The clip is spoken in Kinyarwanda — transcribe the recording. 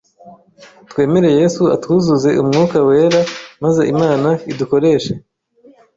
twemere Yesu atwuzuze Umwuka wera maze Imana idukoreshe,